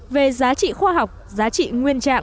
về giá trị khoa học giá trị nguyên trạng